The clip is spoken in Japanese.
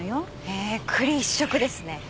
へえ栗一色ですね。